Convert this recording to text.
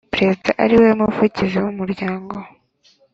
Perezida ariwe Muvugizi w Umuryango